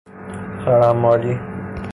خرحمالی